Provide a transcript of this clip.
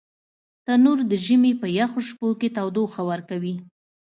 تنور د ژمي په یخو شپو کې تودوخه ورکوي